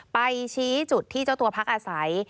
ไปชี้จุดที่เจ้าตัวพักอาศัย